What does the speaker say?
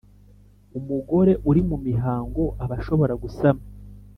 Umugore uri mu mihango aba ashobora gusama